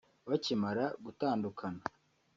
Bakimara gutandukana